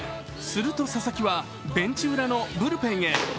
すると佐々木はベンチ裏のブルペンへ。